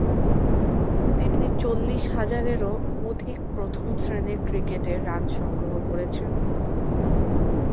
তিনি চল্লিশ হাজারেরও অধিক প্রথম-শ্রেণীর ক্রিকেটে রান সংগ্রহ করেছেন।